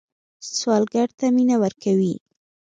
سوالګر ته مینه ورکوئ